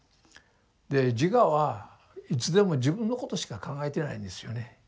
で自我はいつでも自分のことしか考えてないんですよね。